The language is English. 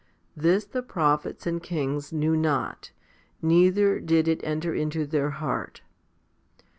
This the prophets and kings knew not, neither did it enter into their heart.